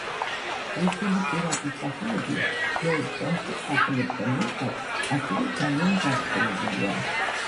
რუსული პირადი სახელები, ძველ სომხურ სახელებთან ერთად, ასევე ძალიან გავრცელებულია.